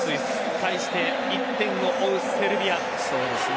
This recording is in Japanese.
対して１点を追うセルビア。